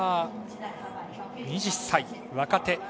２０歳、若手。